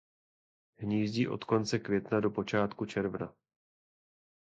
Hnízdí od konce května do počátku června.